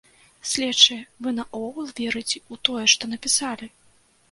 Следчыя, вы наогул верыце ў тое, што напісалі?